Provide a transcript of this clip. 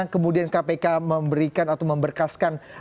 kemudian kpk memberikan atau memberkaskan